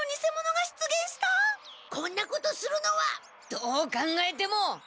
どう考えても！